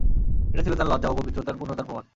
এটা ছিল তার লজ্জা ও পবিত্রতার পূর্ণতার প্রমাণ।